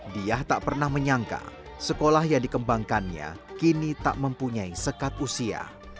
diah tak pernah menyangka sekolah yang dikembangkannya kini tak mempunyai sekat usia